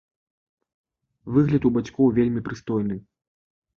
Выгляд у бацькоў вельмі прыстойны.